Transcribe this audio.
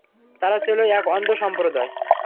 তারা ছিল এক অন্ধ সম্প্রদায়।